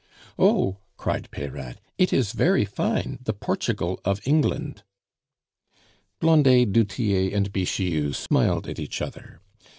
"Oh!" cried Peyrade, "it is very fine, the Portugal of England." Blondet, du Tillet, and Bixiou smiled at each other.